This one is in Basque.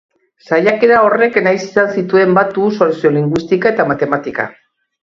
Saiakera horrek nahi izan zituen batu soziolinguistika eta matematika.